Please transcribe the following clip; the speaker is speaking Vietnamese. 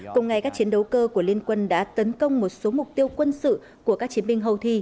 cùng ngày các chiến đấu cơ của liên quân đã tấn công một số mục tiêu quân sự của các chiến binh houthi